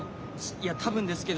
いや多分ですけど。